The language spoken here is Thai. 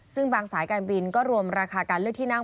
ซึ่งบางสายการบินก็รวมราคาการเลือกที่นั่ง